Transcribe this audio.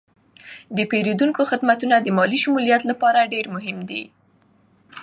د پیرودونکو خدمتونه د مالي شمولیت لپاره ډیر مهم دي.